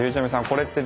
これって。